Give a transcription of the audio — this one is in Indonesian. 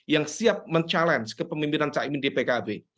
yang siap mencabar kepemimpinan caimin di pkb